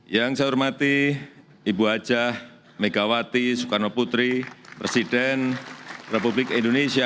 yang saya hormati ibu haji megawati soekarnoputri presiden republik indonesia ke lima